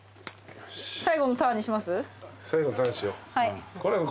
最後のターンにします？